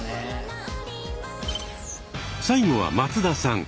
最後は松田さん。